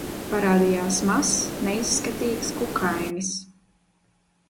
Parādījās mazs, neizskatīgs kukainis.